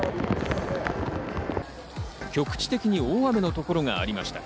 局地的に大雨のところがありました。